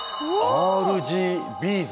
ＲＧＢーズ。